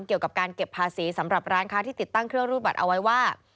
เกี่ยวกับการเก็บภาษีสำหรับร้านค้าที่ติดตั้งเครื่องรูดบัตรเอาไว้ว่า